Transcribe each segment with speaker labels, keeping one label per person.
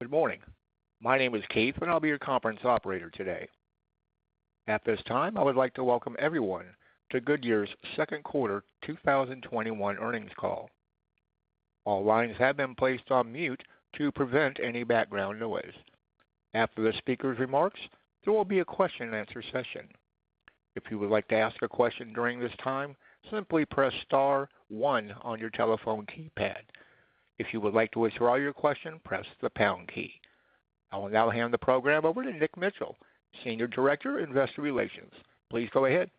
Speaker 1: Good morning. My name is Keith, and I'll be your conference operator today. At this time, I would like to welcome everyone to Goodyear's second quarter 2021 earnings call. All lines have been placed on mute to prevent any background noise. After the speaker's remarks, there will be a question and answer session. If you would like to ask a question during this time, simply press star one on your telephone keypad. If you would like to withdraw your question, press the pound key. I will now hand the program over to Nick Mitchell, Senior Director, Investor Relations. Please go ahead.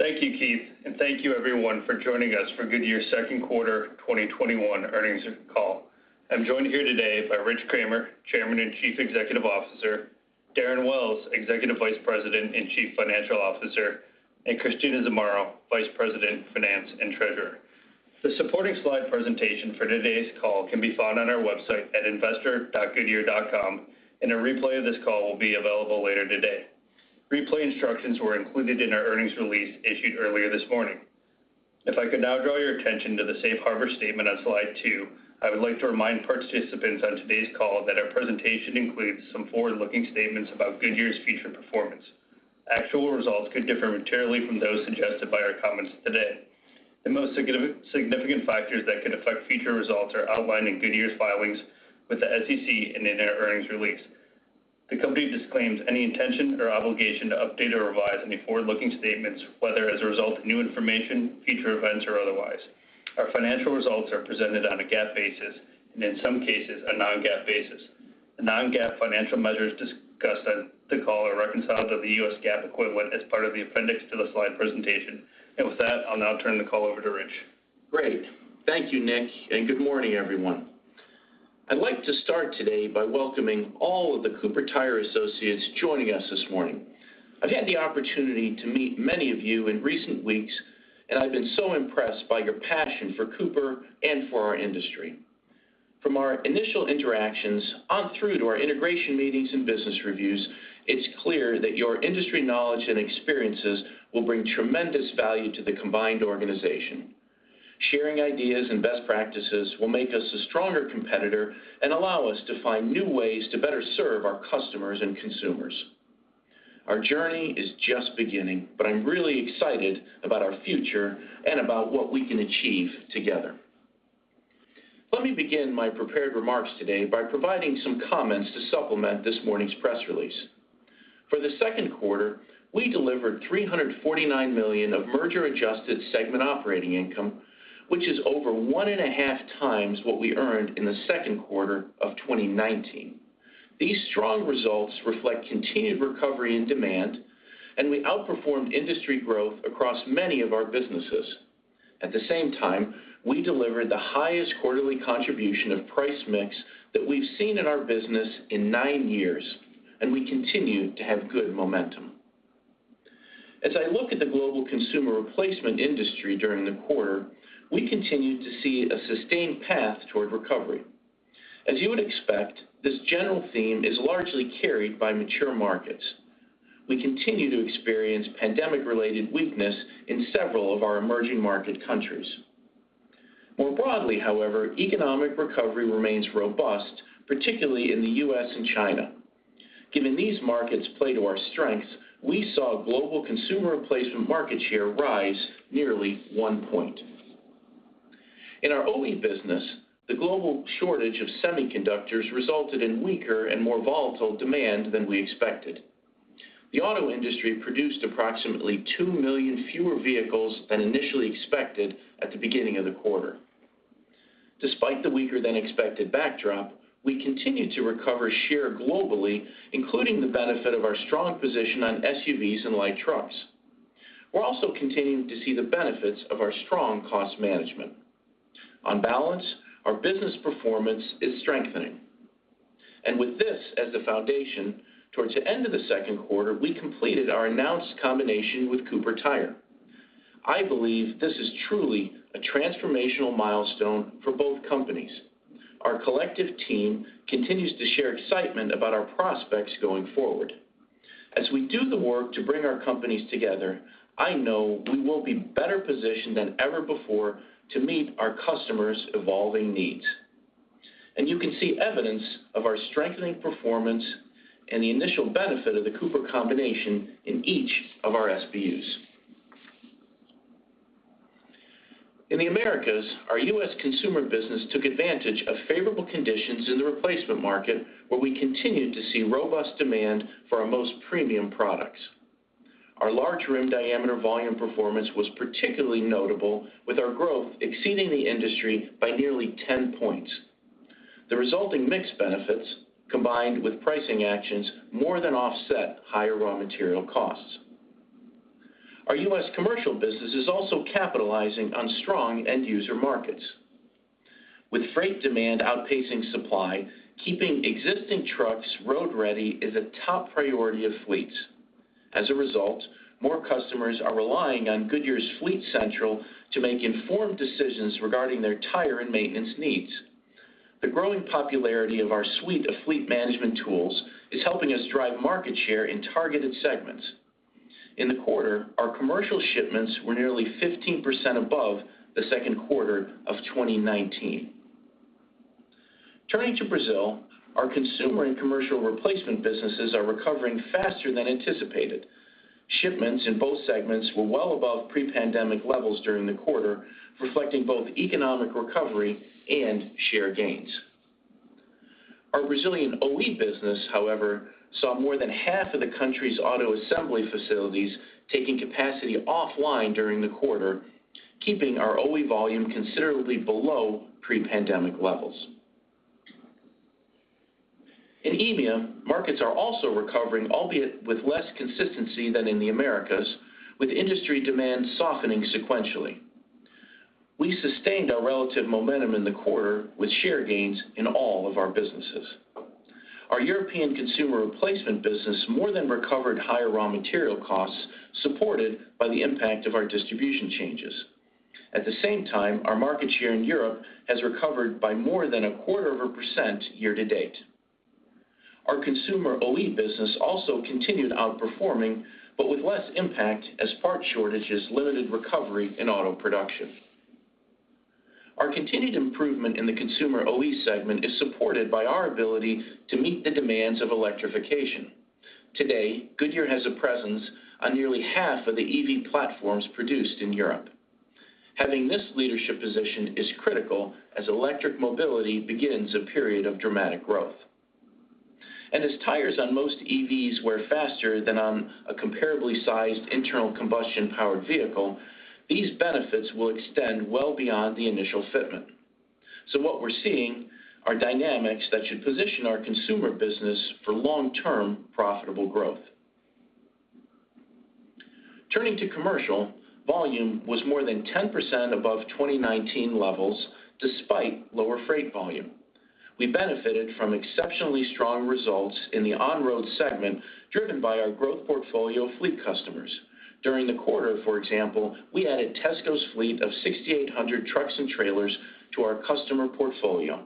Speaker 2: Thank you, Keith, and thank you everyone for joining us for Goodyear's second quarter 2021 earnings call. I'm joined here today by Rich Kramer, Chairman and Chief Executive Officer, Darren Wells, Executive Vice President and Chief Financial Officer, and Christina Zamarro, Vice President, Finance and Treasurer. The supporting slide presentation for today's call can be found on our website at investor.goodyear.com, and a replay of this call will be available later today. Replay instructions were included in our earnings release issued earlier this morning. If I could now draw your attention to the safe harbor statement on slide two, I would like to remind participants on today's call that our presentation includes some forward-looking statements about Goodyear's future performance. Actual results could differ materially from those suggested by our comments today. The most significant factors that could affect future results are outlined in Goodyear's filings with the SEC and in our earnings release. The company disclaims any intention or obligation to update or revise any forward-looking statements, whether as a result of new information, future events, or otherwise. Our financial results are presented on a GAAP basis and, in some cases, a non-GAAP basis. The non-GAAP financial measures discussed on the call are reconciled to the US GAAP equivalent as part of the appendix to the slide presentation. With that, I'll now turn the call over to Rich.
Speaker 3: Great. Thank you, Nick, and good morning, everyone. I'd like to start today by welcoming all of the Cooper Tire associates joining us this morning. I've had the opportunity to meet many of you in recent weeks, and I've been so impressed by your passion for Cooper and for our industry. From our initial interactions on through to our integration meetings and business reviews, it's clear that your industry knowledge and experiences will bring tremendous value to the combined organization. Sharing ideas and best practices will make us a stronger competitor and allow us to find new ways to better serve our customers and consumers. Our journey is just beginning, but I'm really excited about our future and about what we can achieve together. Let me begin my prepared remarks today by providing some comments to supplement this morning's press release. For the second quarter, we delivered $349 million of merger-adjusted segment operating income, which is over 1.5x what we earned in the second quarter of 2019. These strong results reflect continued recovery and demand, we outperformed industry growth across many of our businesses. At the same time, we delivered the highest quarterly contribution of price mix that we've seen in our business in nine years, we continue to have good momentum. As I look at the global consumer replacement industry during the quarter, we continued to see a sustained path toward recovery. As you would expect, this general theme is largely carried by mature markets. We continue to experience pandemic-related weakness in several of our emerging market countries. More broadly, however, economic recovery remains robust, particularly in the U.S. and China. Given these markets play to our strengths, we saw global consumer replacement market share rise nearly one point. In our OE business, the global shortage of semiconductors resulted in weaker and more volatile demand than we expected. The auto industry produced approximately two million fewer vehicles than initially expected at the beginning of the quarter. Despite the weaker than expected backdrop, we continued to recover share globally, including the benefit of our strong position on SUVs and light trucks. We're also continuing to see the benefits of our strong cost management. On balance, our business performance is strengthening. With this as the foundation, towards the end of the second quarter, we completed our announced combination with Cooper Tire. I believe this is truly a transformational milestone for both companies. Our collective team continues to share excitement about our prospects going forward. As we do the work to bring our companies together, I know we will be better positioned than ever before to meet our customers' evolving needs. You can see evidence of our strengthening performance and the initial benefit of the Cooper combination in each of our SBUs. In the Americas, our U.S. consumer business took advantage of favorable conditions in the replacement market, where we continued to see robust demand for our most premium products. Our large rim diameter volume performance was particularly notable, with our growth exceeding the industry by nearly 10 points. The resulting mix benefits, combined with pricing actions, more than offset higher raw material costs. Our U.S. commercial business is also capitalizing on strong end-user markets. With freight demand outpacing supply, keeping existing trucks road ready is a top priority of fleets. As a result, more customers are relying on Goodyear's Fleet Central to make informed decisions regarding their tire and maintenance needs. The growing popularity of our suite of fleet management tools is helping us drive market share in targeted segments. In the quarter, our commercial shipments were nearly 15% above the second quarter of 2019. Turning to Brazil, our consumer and commercial replacement businesses are recovering faster than anticipated. Shipments in both segments were well above pre-pandemic levels during the quarter, reflecting both economic recovery and share gains. Our Brazilian OE business, however, saw more than half of the country's auto assembly facilities taking capacity offline during the quarter, keeping our OE volume considerably below pre-pandemic levels. In EMEA, markets are also recovering, albeit with less consistency than in the Americas, with industry demand softening sequentially. We sustained our relative momentum in the quarter with share gains in all of our businesses. Our European consumer replacement business more than recovered higher raw material costs, supported by the impact of our distribution changes. At the same time, our market share in Europe has recovered by more than 0.25% year-to-date. Our consumer OE business also continued outperforming, but with less impact as part shortages limited recovery in auto production. Our continued improvement in the consumer OE segment is supported by our ability to meet the demands of electrification. Today, Goodyear has a presence on nearly half of the EV platforms produced in Europe. Having this leadership position is critical as electric mobility begins a period of dramatic growth. As tires on most EVs wear faster than on a comparably sized internal combustion-powered vehicle, these benefits will extend well beyond the initial fitment. What we're seeing are dynamics that should position our consumer business for long-term profitable growth. Turning to commercial, volume was more than 10% above 2019 levels despite lower freight volume. We benefited from exceptionally strong results in the on-road segment, driven by our growth portfolio fleet customers. During the quarter, for example, we added Tesco's fleet of 6,800 trucks and trailers to our customer portfolio.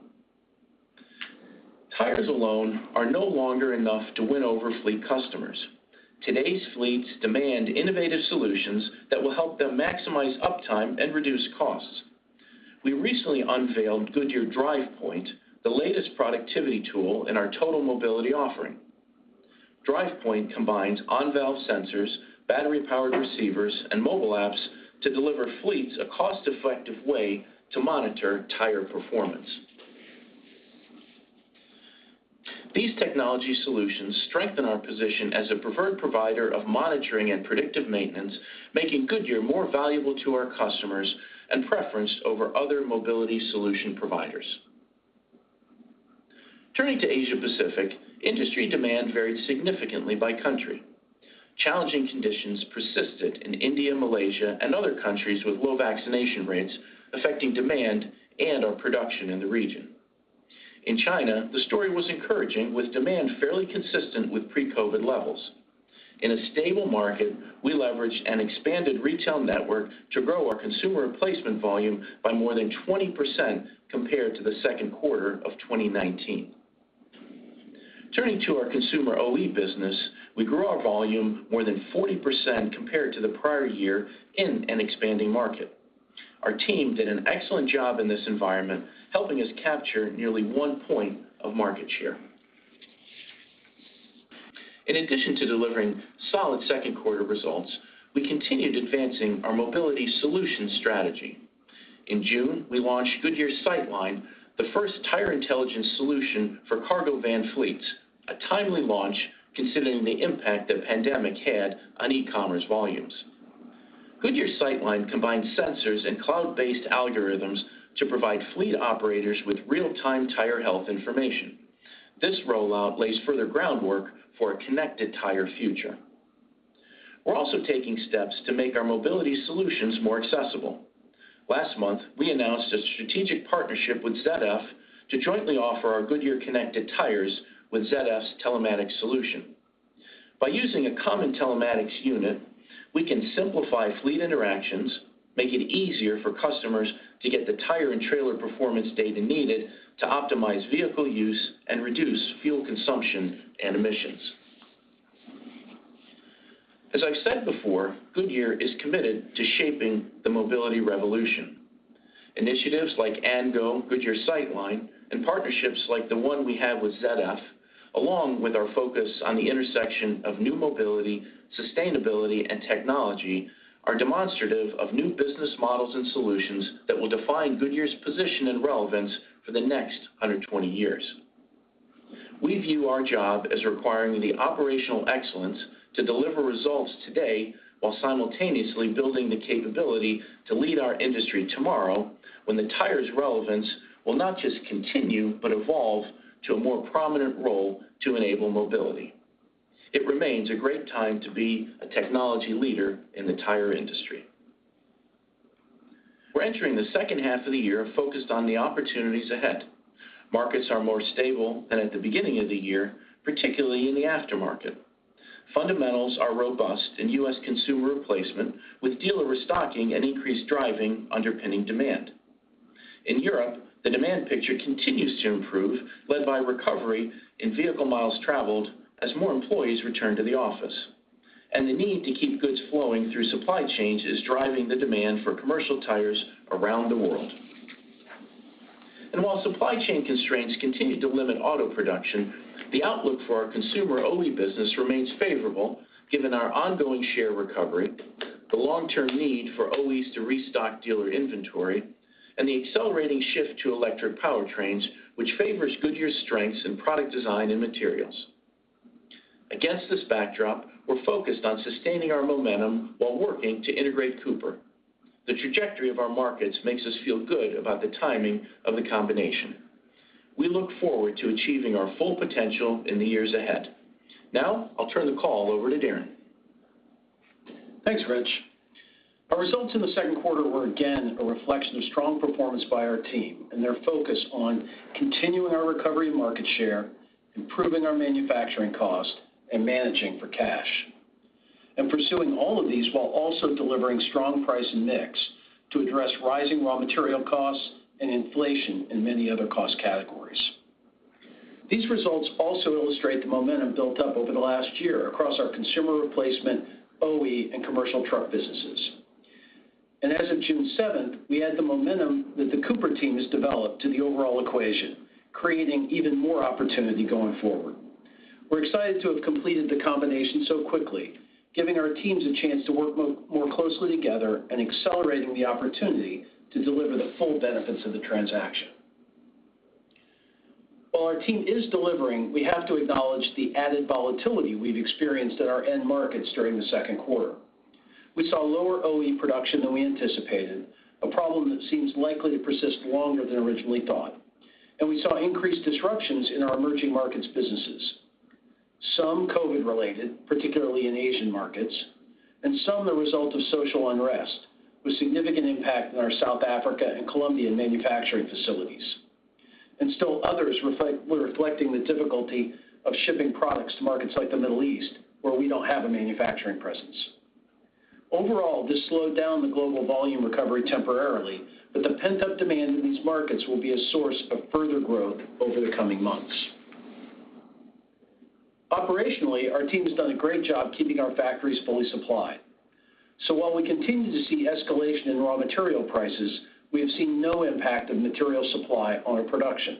Speaker 3: Tires alone are no longer enough to win over fleet customers. Today's fleets demand innovative solutions that will help them maximize uptime and reduce costs. We recently unveiled Goodyear DrivePoint, the latest productivity tool in our total mobility offering. DrivePoint combines on-valve sensors, battery-powered receivers, and mobile apps to deliver fleets a cost-effective way to monitor tire performance. These technology solutions strengthen our position as a preferred provider of monitoring and predictive maintenance, making Goodyear more valuable to our customers and preferenced over other mobility solution providers. Turning to Asia Pacific, industry demand varied significantly by country. Challenging conditions persisted in India, Malaysia, and other countries with low vaccination rates, affecting demand and our production in the region. In China, the story was encouraging, with demand fairly consistent with pre-COVID levels. In a stable market, we leveraged an expanded retail network to grow our consumer replacement volume by more than 20% compared to the second quarter of 2019. Turning to our consumer OE business, we grew our volume more than 40% compared to the prior year in an expanding market. Our team did an excellent job in this environment, helping us capture nearly one point of market share. In addition to delivering solid second quarter results, we continued advancing our mobility solutions strategy. In June, we launched Goodyear SightLine, the first tire intelligence solution for cargo van fleets, a timely launch considering the impact the pandemic had on e-commerce volumes. Goodyear SightLine combines sensors and cloud-based algorithms to provide fleet operators with real-time tire health information. This rollout lays further groundwork for a connected tire future. We're also taking steps to make our mobility solutions more accessible. Last month, we announced a strategic partnership with ZF to jointly offer our Goodyear connected tires with ZF's telematics solution. By using a common telematics unit, we can simplify fleet interactions, make it easier for customers to get the tire and trailer performance data needed to optimize vehicle use, and reduce fuel consumption and emissions. As I've said before, Goodyear is committed to shaping the mobility revolution. Initiatives like AndGo, Goodyear SightLine, and partnerships like the one we have with ZF, along with our focus on the intersection of new mobility, sustainability, and technology, are demonstrative of new business models and solutions that will define Goodyear's position and relevance for the next 120 years. We view our job as requiring the operational excellence to deliver results today while simultaneously building the capability to lead our industry tomorrow when the tire's relevance will not just continue, but evolve to a more prominent role to enable mobility. It remains a great time to be a technology leader in the tire industry. We're entering the second half of the year focused on the opportunities ahead. Markets are more stable than at the beginning of the year, particularly in the aftermarket. Fundamentals are robust in U.S. consumer replacement, with dealer restocking and increased driving underpinning demand. In Europe, the demand picture continues to improve, led by recovery in vehicle miles traveled as more employees return to the office. The need to keep goods flowing through supply chains is driving the demand for commercial tires around the world. While supply chain constraints continue to limit auto production, the outlook for our consumer OE business remains favorable given our ongoing share recovery, the long-term need for OEs to restock dealer inventory, and the accelerating shift to electric powertrains, which favors Goodyear's strengths in product design and materials. Against this backdrop, we're focused on sustaining our momentum while working to integrate Cooper. The trajectory of our markets makes us feel good about the timing of the combination. We look forward to achieving our full potential in the years ahead. Now, I'll turn the call over to Darren.
Speaker 4: Thanks, Rich. Our results in the second quarter were again a reflection of strong performance by our team and their focus on continuing our recovery market share, improving our manufacturing cost, and managing for cash. Pursuing all of these while also delivering strong price mix to address rising raw material costs and inflation in many other cost categories. These results also illustrate the momentum built up over the last year across our consumer replacement, OE, and commercial truck businesses. As of June 7th, we add the momentum that the Cooper team has developed to the overall equation, creating even more opportunity going forward. We're excited to have completed the combination so quickly, giving our teams a chance to work more closely together and accelerating the opportunity to deliver the full benefits of the transaction. While our team is delivering, we have to acknowledge the added volatility we've experienced in our end markets during the second quarter. We saw lower OE production than we anticipated, a problem that seems likely to persist longer than originally thought. We saw increased disruptions in our emerging markets businesses, some COVID related, particularly in Asian markets, and some the result of social unrest with significant impact in our South Africa and Colombian manufacturing facilities. Still others were reflecting the difficulty of shipping products to markets like the Middle East, where we don't have a manufacturing presence. Overall, this slowed down the global volume recovery temporarily, but the pent-up demand in these markets will be a source of further growth over the coming months. Operationally, our team has done a great job keeping our factories fully supplied. While we continue to see escalation in raw material prices, we have seen no impact of material supply on our production.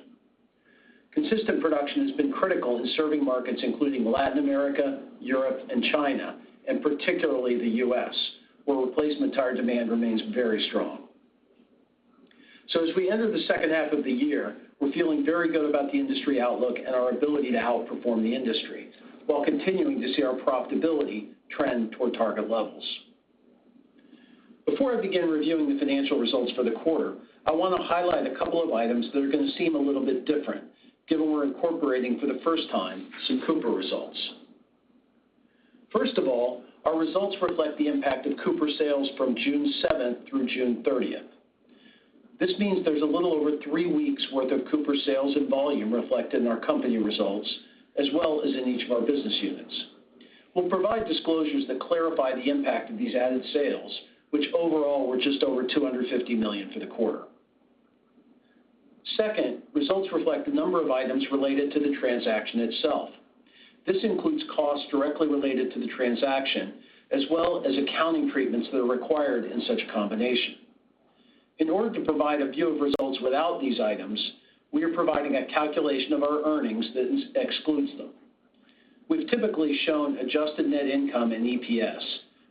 Speaker 4: Consistent production has been critical in serving markets including Latin America, Europe, and China, and particularly the U.S., where replacement tire demand remains very strong. As we enter the second half of the year, we're feeling very good about the industry outlook and our ability to outperform the industry while continuing to see our profitability trend toward target levels. Before I begin reviewing the financial results for the quarter, I want to highlight a couple of items that are going to seem a little bit different given we're incorporating for the first time some Cooper results. Our results reflect the impact of Cooper sales from June 7th through June 30th. This means there's a little over three weeks worth of Cooper sales and volume reflected in our company results, as well as in each of our business units. We'll provide disclosures that clarify the impact of these added sales, which overall were just over $250 million for the quarter. Second, results reflect a number of items related to the transaction itself. This includes costs directly related to the transaction, as well as accounting treatments that are required in such combination. In order to provide a view of results without these items, we are providing a calculation of our earnings that excludes them. We've typically shown adjusted net income and EPS,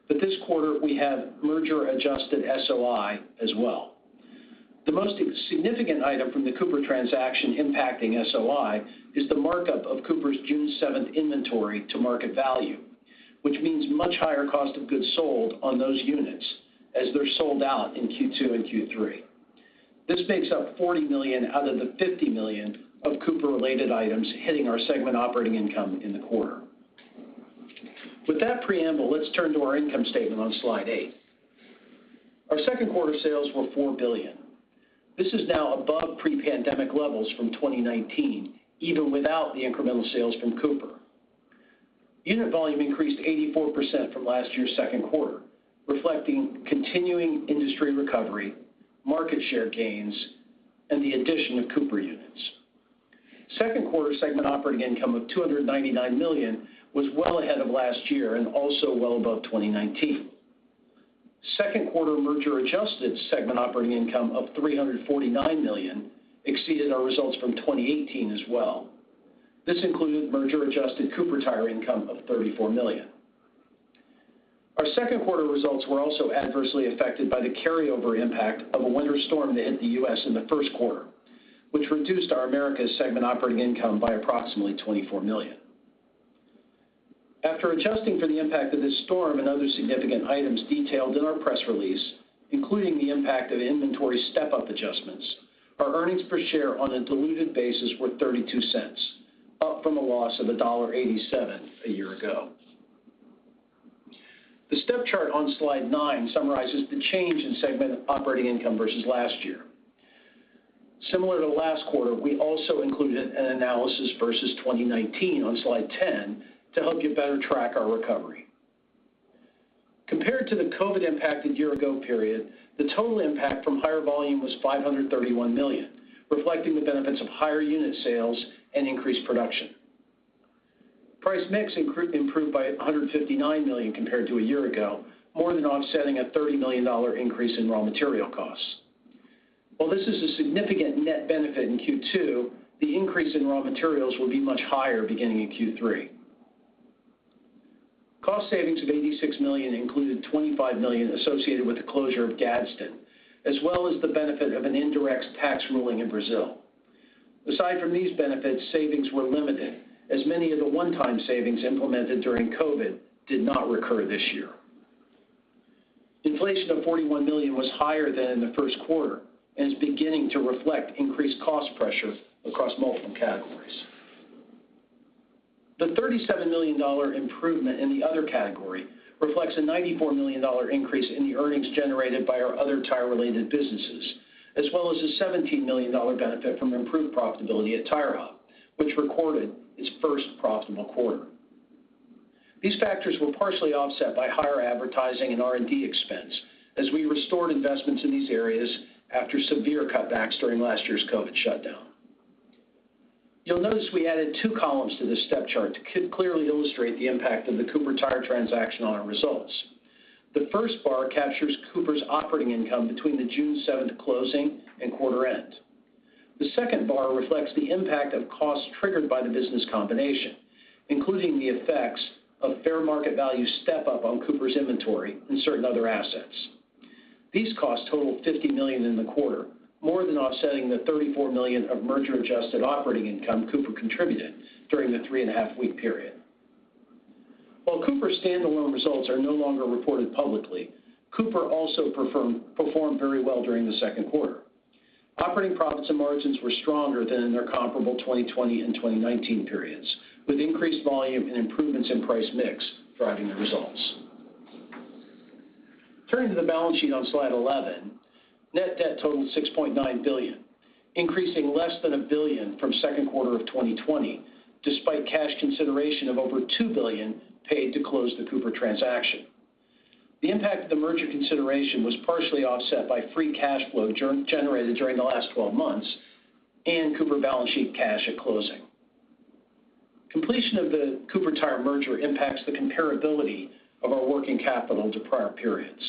Speaker 4: but this quarter we have merger adjusted SOI as well. The most significant item from the Cooper transaction impacting SOI is the markup of Cooper's June 7th inventory to market value, which means much higher cost of goods sold on those units as they're sold out in Q2 and Q3. This makes up $40 million out of the $50 million of Cooper related items hitting our segment operating income in the quarter. With that preamble, let's turn to our income statement on slide eight. Our second quarter sales were $4 billion. This is now above pre-pandemic levels from 2019, even without the incremental sales from Cooper. Unit volume increased 84% from last year's second quarter, reflecting continuing industry recovery, market share gains, and the addition of Cooper units. Second quarter segment operating income of $299 million was well ahead of last year and also well above 2019. Second quarter merger adjusted segment operating income of $349 million exceeded our results from 2018 as well. This included merger adjusted Cooper Tire income of $34 million. Our second quarter results were also adversely affected by the carryover impact of a winter storm that hit the U.S. in the first quarter, which reduced our Americas segment operating income by approximately $24 million. After adjusting for the impact of this storm and other significant items detailed in our press release, including the impact of inventory step-up adjustments, our earnings per share on a diluted basis were $0.32, up from a loss of $1.87 a year ago. The step chart on slide nine summarizes the change in segment operating income versus last year. Similar to last quarter, we also included an analysis versus 2019 on slide 10 to help you better track our recovery. Compared to the COVID-impacted year ago period, the total impact from higher volume was $531 million, reflecting the benefits of higher unit sales and increased production. Price mix improved by $159 million compared to a year ago, more than offsetting a $30 million increase in raw material costs. While this is a significant net benefit in Q2, the increase in raw materials will be much higher beginning in Q3. Cost savings of $86 million included $25 million associated with the closure of Gadsden, as well as the benefit of an indirect tax ruling in Brazil. Aside from these benefits, savings were limited, as many of the one-time savings implemented during COVID did not recur this year. Inflation of $41 million was higher than in the first quarter and is beginning to reflect increased cost pressure across multiple categories. The $37 million improvement in the other category reflects a $94 million increase in the earnings generated by our other tire-related businesses, as well as a $17 million benefit from improved profitability at TireHub, which recorded its first profitable quarter. These factors were partially offset by higher advertising and R&D expense as we restored investments in these areas after severe cutbacks during last year's COVID shutdown. You'll notice we added two columns to this step chart to clearly illustrate the impact of the Cooper Tire transaction on our results. The first bar captures Cooper's operating income between the June 7th closing and quarter end. The second bar reflects the impact of costs triggered by the business combination, including the effects of fair market value step-up on Cooper's inventory and certain other assets. These costs totaled $50 million in the quarter, more than offsetting the $34 million of merger-adjusted operating income Cooper contributed during the three and a half week period. While Cooper standalone results are no longer reported publicly, Cooper also performed very well during the second quarter. Operating profits and margins were stronger than in their comparable 2020 and 2019 periods, with increased volume and improvements in price mix driving the results. Turning to the balance sheet on slide 11, net debt totaled $6.9 billion, increasing less than $1 billion from second quarter of 2020, despite cash consideration of over $2 billion paid to close the Cooper transaction. The impact of the merger consideration was partially offset by free cash flow generated during the last 12 months and Cooper balance sheet cash at closing. Completion of the Cooper Tire merger impacts the comparability of our working capital to prior periods.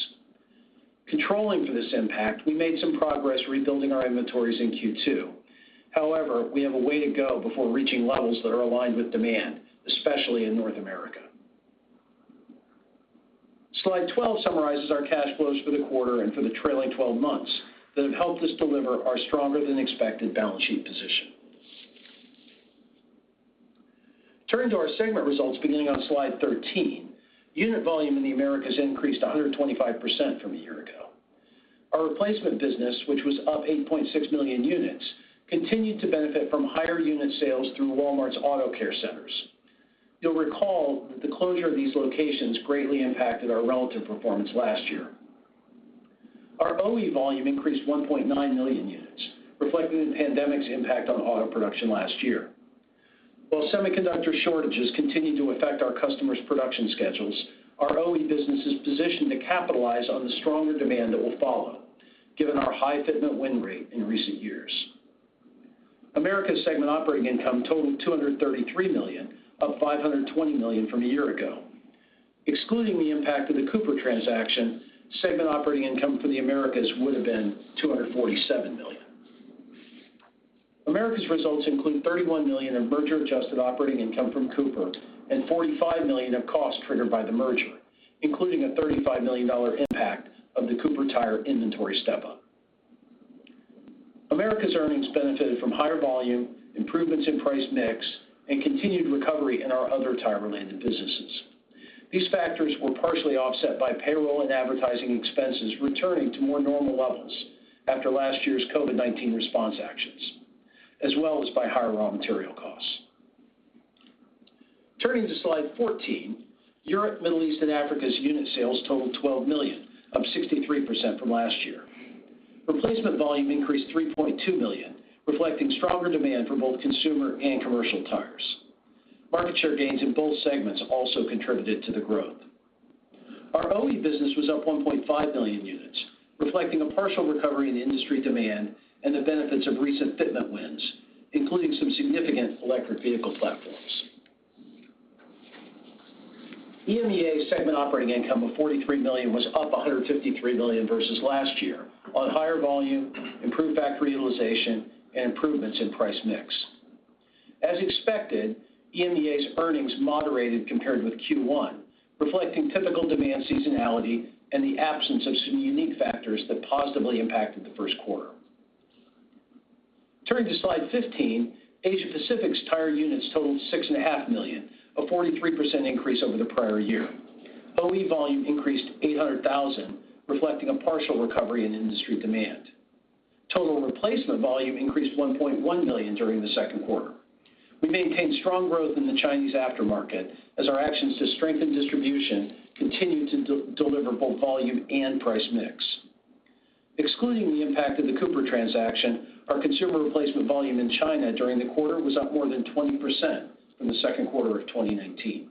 Speaker 4: Controlling for this impact, we made some progress rebuilding our inventories in Q2. However, we have a way to go before reaching levels that are aligned with demand, especially in North America. Slide 12 summarizes our cash flows for the quarter and for the trailing 12 months that have helped us deliver our stronger than expected balance sheet position. Turning to our segment results beginning on Slide 13, unit volume in the Americas increased 125% from a year ago. Our replacement business, which was up 8.6 million units, continued to benefit from higher unit sales through Walmart's Auto Care Centers. You'll recall that the closure of these locations greatly impacted our relative performance last year. Our OE volume increased 1.9 million units, reflecting the pandemic's impact on auto production last year. While semiconductor shortages continue to affect our customers' production schedules, our OE business is positioned to capitalize on the stronger demand that will follow given our high fitment win rate in recent years. Americas segment operating income totaled $233 million, up $520 million from a year ago. Excluding the impact of the Cooper transaction, segment operating income for the Americas would have been $247 million. Americas results include $31 million in merger-adjusted operating income from Cooper and $45 million of costs triggered by the merger, including a $35 million impact of the Cooper Tire inventory step-up. Americas earnings benefited from higher volume, improvements in price mix, and continued recovery in our other tire-related businesses. These factors were partially offset by payroll and advertising expenses returning to more normal levels after last year's COVID-19 response actions, as well as by higher raw material costs. Turning to slide 14, Europe, Middle East, and Africa's unit sales totaled 12 million, up 63% from last year. Replacement volume increased 3.2 million, reflecting stronger demand for both consumer and commercial tires. Market share gains in both segments also contributed to the growth. Our OE business was up 1.5 million units, reflecting a partial recovery in industry demand and the benefits of recent fitment wins, including some significant electric vehicle platforms. EMEA segment operating income of $43 million was up $153 million versus last year on higher volume, improved factory utilization, and improvements in price mix. As expected, EMEA's earnings moderated compared with Q1, reflecting typical demand seasonality and the absence of some unique factors that positively impacted the first quarter. Turning to slide 15, Asia Pacific's tire units totaled 6.5 million, a 43% increase over the prior year. OE volume increased 800,000, reflecting a partial recovery in industry demand. Total replacement volume increased 1.1 million during the second quarter. We maintained strong growth in the Chinese aftermarket as our actions to strengthen distribution continued to deliver both volume and price mix. Excluding the impact of the Cooper transaction, our consumer replacement volume in China during the quarter was up more than 20% from the second quarter of 2019.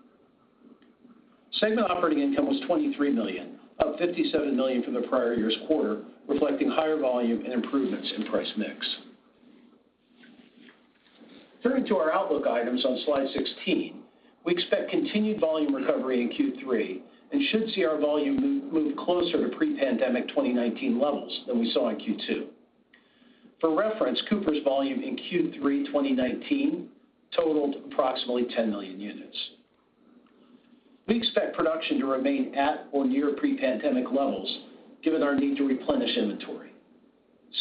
Speaker 4: Segment operating income was $23 million, up $57 million from the prior year's quarter, reflecting higher volume and improvements in price mix. Turning to our outlook items on slide 16, we expect continued volume recovery in Q3 and should see our volume move closer to pre-pandemic 2019 levels than we saw in Q2. For reference, Cooper's volume in Q3 2019 totaled approximately 10 million units. We expect production to remain at or near pre-pandemic levels given our need to replenish inventory.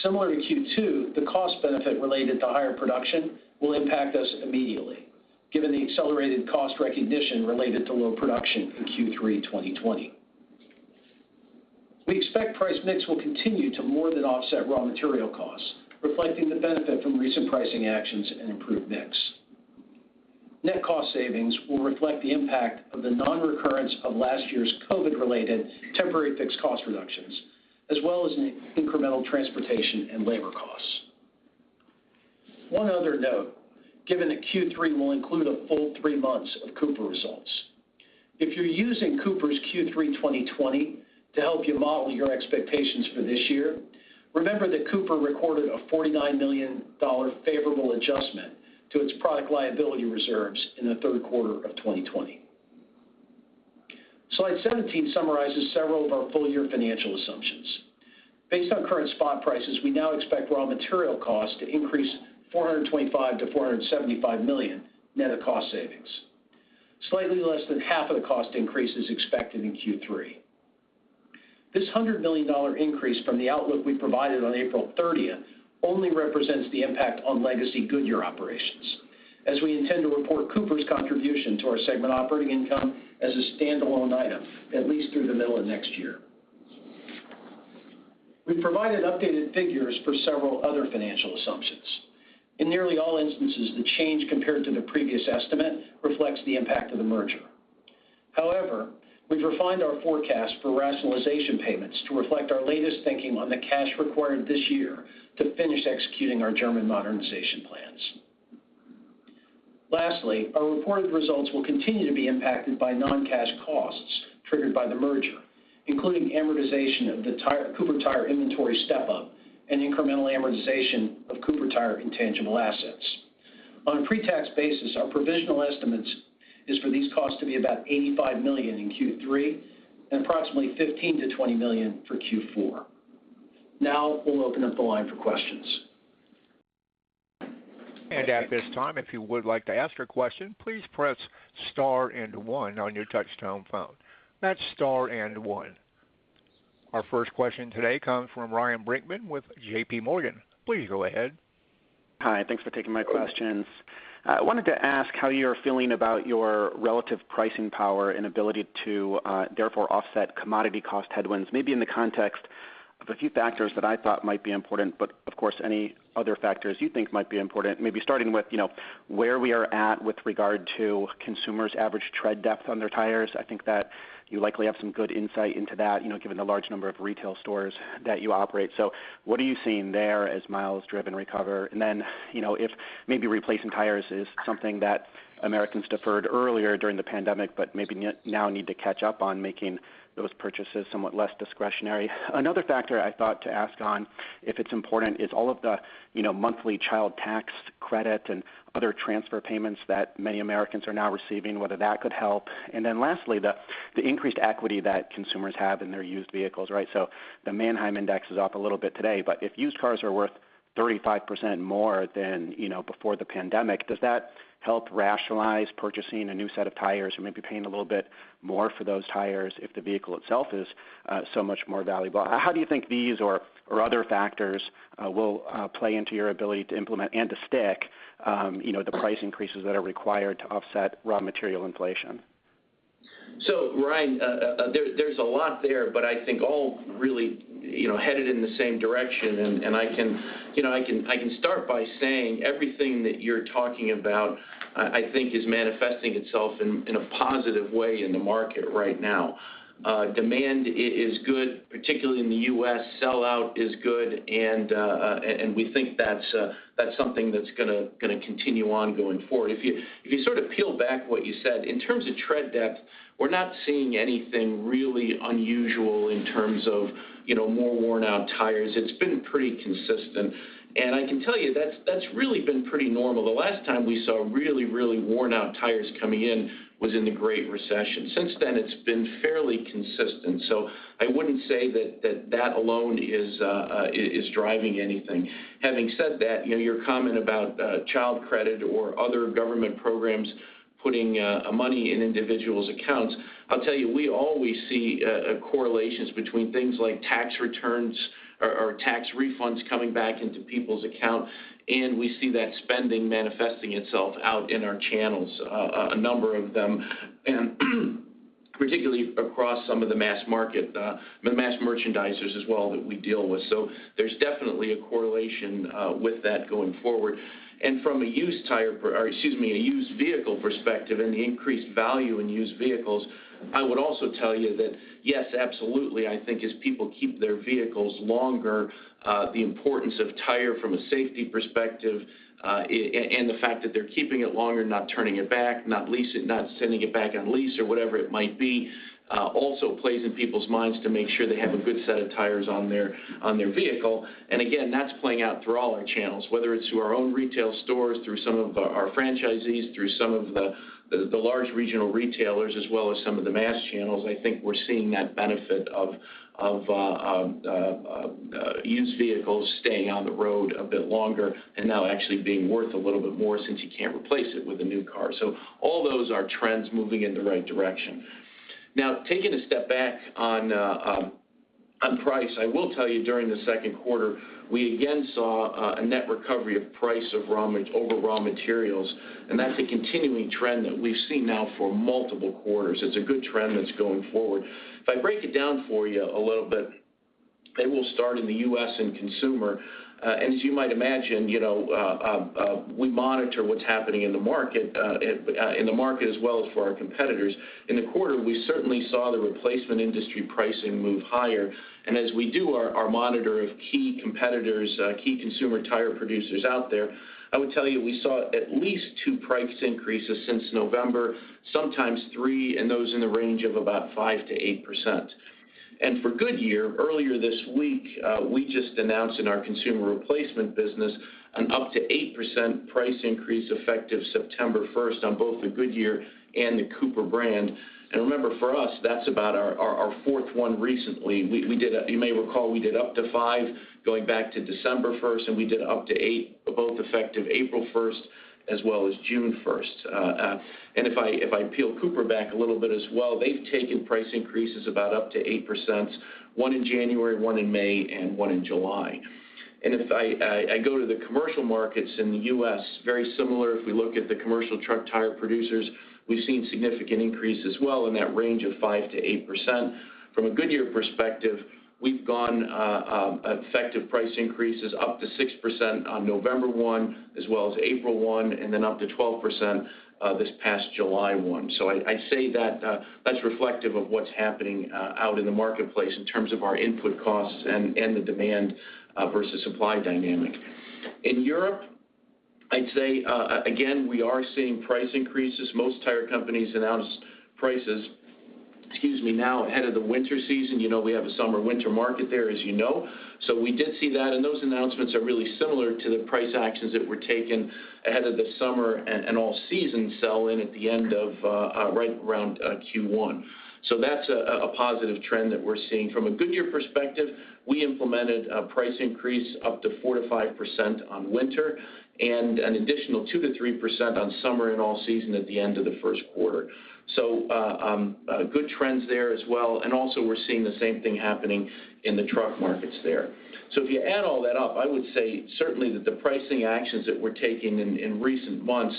Speaker 4: Similar to Q2, the cost benefit related to higher production will impact us immediately given the accelerated cost recognition related to low production in Q3 2020. We expect price mix will continue to more than offset raw material costs, reflecting the benefit from recent pricing actions and improved mix. Net cost savings will reflect the impact of the non-recurrence of last year's COVID-related temporary fixed cost reductions, as well as incremental transportation and labor costs. One other note, given that Q3 will include a full three months of Cooper results, if you're using Cooper's Q3 2020 to help you model your expectations for this year, remember that Cooper recorded a $49 million favorable adjustment to its product liability reserves in the third quarter of 2020. Slide 17 summarizes several of our full-year financial assumptions. Based on current spot prices, we now expect raw material costs to increase $425 million-$475 million net of cost savings, slightly less than half of the cost increase is expected in Q3. This $100 million increase from the outlook we provided on April 30th only represents the impact on legacy Goodyear operations, as we intend to report Cooper's contribution to our segment operating income as a standalone item, at least through the middle of next year. We've provided updated figures for several other financial assumptions. In nearly all instances, the change compared to the previous estimate reflects the impact of the merger. However, we've refined our forecast for rationalization payments to reflect our latest thinking on the cash required this year to finish executing our German modernization plans. Lastly, our reported results will continue to be impacted by non-cash costs triggered by the merger, including amortization of the Cooper Tire inventory step-up and incremental amortization of Cooper Tire intangible assets. On a pre-tax basis, our provisional estimate is for these costs to be about $85 million in Q3 and approximately $15 million-$20 million for Q4. We'll open up the line for questions.
Speaker 1: At this time, if you would like to ask a question, please press star and one on your touch-tone phone. That's star and one. Our first question today comes from Ryan Brinkman with JPMorgan. Please go ahead.
Speaker 5: Hi. Thanks for taking my questions. I wanted to ask how you're feeling about your relative pricing power and ability to therefore offset commodity cost headwinds, maybe in the context of a few factors that I thought might be important, of course, any other factors you think might be important, maybe starting with where we are at with regard to consumers' average tread depth on their tires. I think that you likely have some good insight into that, given the large number of retail stores that you operate. What are you seeing there as miles driven recover? Then, if maybe replacing tires is something that Americans deferred earlier during the pandemic but maybe now need to catch up on making those purchases somewhat less discretionary. Another factor I thought to ask on, if it's important, is all of the monthly child tax credit and other transfer payments that many Americans are now receiving, whether that could help. Lastly, the increased equity that consumers have in their used vehicles, right? The Manheim Index is up a little bit today, but if used cars are worth 35% more than before the pandemic, does that help rationalize purchasing a new set of tires or maybe paying a little bit more for those tires if the vehicle itself is so much more valuable? How do you think these or other factors will play into your ability to implement and to stick the price increases that are required to offset raw material inflation?
Speaker 3: Ryan, there's a lot there, but I think all really headed in the same direction, and I can start by saying everything that you're talking about, I think is manifesting itself in a positive way in the market right now. Demand is good, particularly in the U.S. sell-out is good, and we think that's something that's going to continue on going forward. If you sort of peel back what you said, in terms of tread depth, we're not seeing anything really unusual in terms of more worn-out tires. It's been pretty consistent, and I can tell you that's really been pretty normal. The last time we saw really worn-out tires coming in was in the Great Recession. Since then, it's been fairly consistent. I wouldn't say that alone is driving anything. Having said that, your comment about child credit or other government programs putting money in individuals' accounts, I'll tell you, we always see correlations between things like tax returns or tax refunds coming back into people's account, and we see that spending manifesting itself out in our channels, a number of them. Particularly across some of the mass market, the mass merchandisers as well that we deal with. There's definitely a correlation with that going forward. From a used vehicle perspective and the increased value in used vehicles, I would also tell you that, yes, absolutely, I think as people keep their vehicles longer, the importance of tire from a safety perspective, and the fact that they're keeping it longer, not turning it back, not sending it back on lease or whatever it might be, also plays in people's minds to make sure they have a good set of tires on their vehicle. Again, that's playing out through all our channels, whether it's through our own retail stores, through some of our franchisees, through some of the large regional retailers, as well as some of the mass channels. I think we're seeing that benefit of used vehicles staying on the road a bit longer and now actually being worth a little bit more since you can't replace it with a new car. All those are trends moving in the right direction. Now, taking a step back on price, I will tell you during the second quarter, we again saw a net recovery of price over raw materials, and that's a continuing trend that we've seen now for multiple quarters. It's a good trend that's going forward. If I break it down for you a little bit, I will start in the U.S. and consumer. As you might imagine, we monitor what's happening in the market as well as for our competitors. In the quarter, we certainly saw the replacement industry pricing move higher. As we do our monitor of key competitors, key consumer tire producers out there, I would tell you we saw at least two price increases since November, sometimes three, and those in the range of 5%-8%. For Goodyear, earlier this week, we just announced in our consumer replacement business an up to 8% price increase effective September 1st on both the Goodyear and the Cooper brand. Remember, for us, that's about our fourth one recently. You may recall we did up to 5% going back to December 1st, and we did up to 8% both effective April 1st as well as June 1st. If I peel Cooper back a little bit as well, they've taken price increases about up to 8%, one in January, one in May, and one in July. If I go to the commercial markets in the U.S., very similar if we look at the commercial truck tire producers, we've seen significant increase as well in that range of 5%-8%. From a Goodyear perspective, we've gone effective price increases up to 6% on November 1, as well as April 1, and then up to 12% this past July 1. I say that's reflective of what's happening out in the marketplace in terms of our input costs and the demand versus supply dynamic. In Europe, I'd say, again, we are seeing price increases. Most tire companies announced prices now ahead of the winter season. We have a summer-winter market there, as you know. We did see that, and those announcements are really similar to the price actions that were taken ahead of the summer and all-season sell-in at the end of right around Q1. That's a positive trend that we're seeing. From a Goodyear perspective, we implemented a price increase up to 4%-5% on winter and an additional 2%-3% on summer and all season at the end of the first quarter. Good trends there as well. Also we're seeing the same thing happening in the truck markets there. If you add all that up, I would say certainly that the pricing actions that we're taking in recent months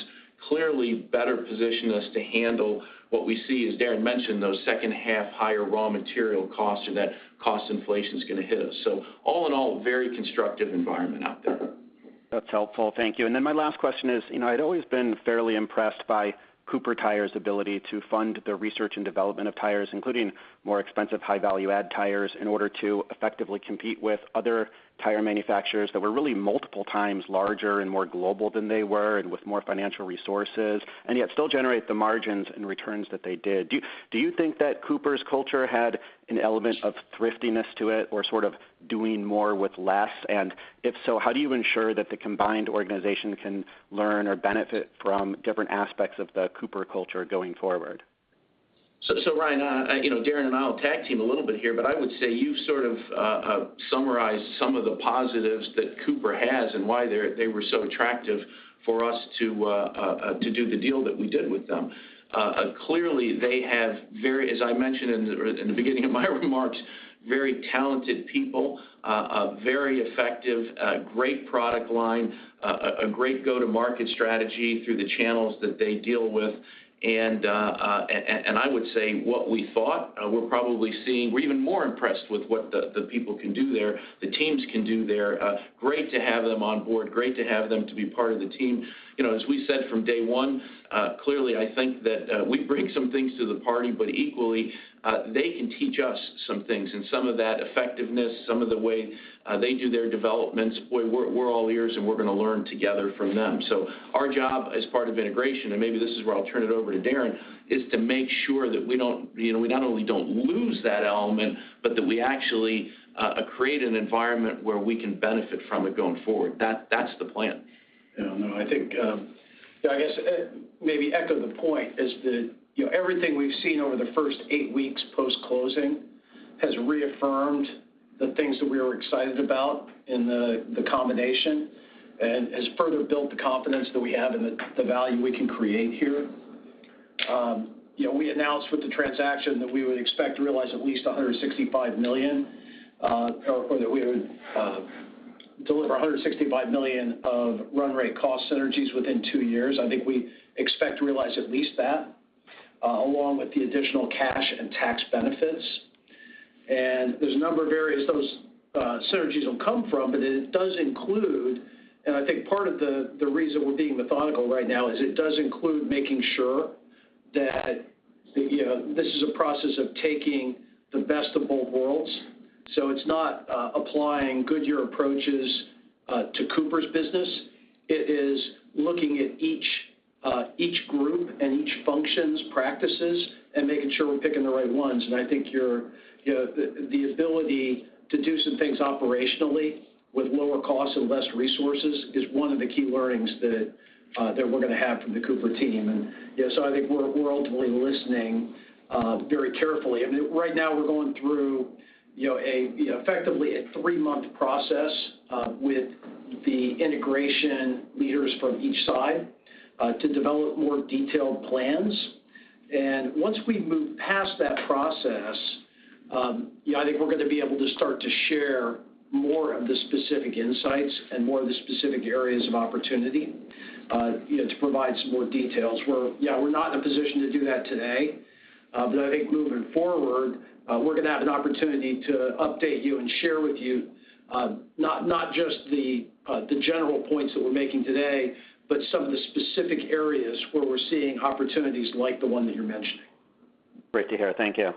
Speaker 3: clearly better position us to handle what we see, as Darren mentioned, those second half higher raw material costs or that cost inflation is going to hit us. All in all, very constructive environment out there.
Speaker 5: That's helpful. Thank you. Then my last question is, I'd always been fairly impressed by Cooper's ability to fund the research and development of tires, including more expensive, high value add tires in order to effectively compete with other tire manufacturers that were really multiple times larger and more global than they were and with more financial resources, and yet still generate the margins and returns that they did. Do you think that Cooper's culture had an element of thriftiness to it or sort of doing more with less? If so, how do you ensure that the combined organization can learn or benefit from different aspects of the Cooper culture going forward?
Speaker 3: Ryan, Darren and I will tag team a little bit here, I would say you've sort of summarized some of the positives that Cooper has and why they were so attractive for us to do the deal that we did with them. Clearly, they have very, as I mentioned in the beginning of my remarks, very talented people, a very effective, great product line, a great go-to-market strategy through the channels that they deal with. I would say what we thought, we're probably seeing, we're even more impressed with what the people can do there, the teams can do there. Great to have them on board, great to have them to be part of the team. As we said from day one, clearly, I think that we bring some things to the party, but equally, they can teach us some things and some of that effectiveness, some of the way they do their developments. Boy, we're all ears, and we're going to learn together from them. Our job as part of integration, and maybe this is where I'll turn it over to Darren, is to make sure that we not only don't lose that element, but that we actually create an environment where we can benefit from it going forward. That's the plan.
Speaker 4: Yeah. No, I think, I guess maybe echo the point is that everything we've seen over the first eight weeks post-closing has reaffirmed the things that we were excited about in the combination and has further built the confidence that we have and the value we can create here. We announced with the transaction that we would expect to realize at least $165 million, or that we would deliver $165 million of run rate cost synergies within two years. I think we expect to realize at least that, along with the additional cash and tax benefits. There's a number of areas those synergies will come from, but it does include, and I think part of the reason we're being methodical right now is it does include making sure that this is a process of taking the best of both worlds. It's not applying Goodyear approaches to Cooper's business. It is looking at each group and each function's practices and making sure we're picking the right ones. I think the ability to do some things operationally with lower cost and less resources is one of the key learnings that we're going to have from the Cooper team. I think we're ultimately listening very carefully. Right now we're going through effectively a three-month process with the integration leaders from each side to develop more detailed plans. Once we move past that process, I think we're going to be able to start to share more of the specific insights and more of the specific areas of opportunity to provide some more details. We're not in a position to do that today. I think moving forward, we're going to have an opportunity to update you and share with you not just the general points that we're making today, but some of the specific areas where we're seeing opportunities like the one that you're mentioning.
Speaker 5: Great to hear. Thank you.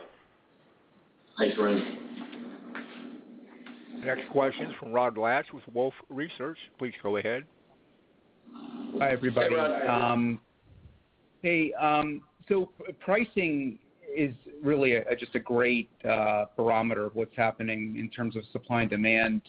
Speaker 4: Thanks Ryan.
Speaker 1: Next question is from Rod Lache with Wolfe Research. Please go ahead.
Speaker 6: Hi, everybody.
Speaker 4: Hey, Rod.
Speaker 6: Hey. Pricing is really just a great barometer of what's happening in terms of supply and demand.